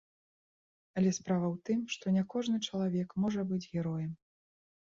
Але справа ў тым, што не кожны чалавек можа быць героем.